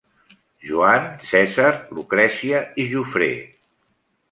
Joan, Cèsar, Lucrècia i Jofré.